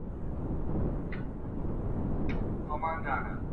موصفات د یو شخص ځانګړتیاوې دي.